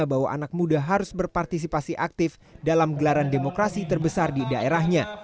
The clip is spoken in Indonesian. ketua rw yang menjadikan anak muda harus berpartisipasi aktif dalam gelaran demokrasi terbesar di daerahnya